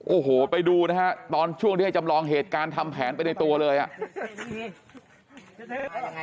โอ้โหไปดูนะฮะตอนช่วงที่ให้จำลองเหตุการณ์ทำแผนไปในตัวเลยอ่ะ